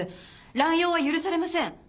乱用は許されません！